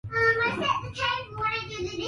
Jacob alitua ardhini na kuanza kujivingirisha